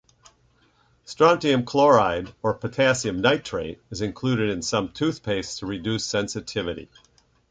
Strontium chloride or potassium nitrate is included in some toothpastes to reduce sensitivity.